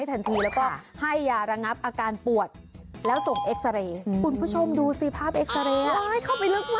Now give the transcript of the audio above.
ต้องอย่างไงอะ